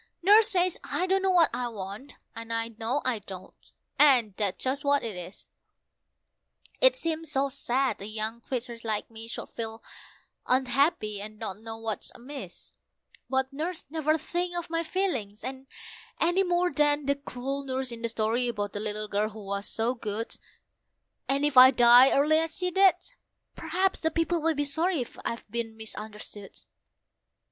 Nurse says I don't know what I want, and I know I don't, and that's just what it is. It seems so sad a young creature like me should feel unhappy, and not know what's amiss; But Nurse never thinks of my feelings, any more than the cruel nurse in the story about the little girl who was so good, And if I die early as she did, perhaps then people will be sorry I've been misunderstood.